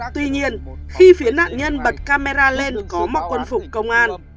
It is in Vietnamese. tuy nhiên khi phía nạn nhân bật camera lên có mặc quân phục công an